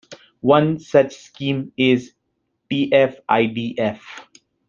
One such scheme is tf-idf.